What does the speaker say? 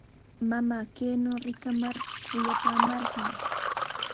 Mamaa kaynaw rikamar kuyapaamarqan.